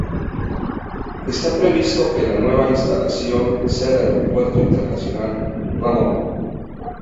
Está previsto que la nueva instalación sea el Aeropuerto Internacional Ramon.